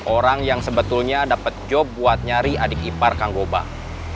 orang yang sebetulnya dapat kerja untuk mencari adik ipar kang gobang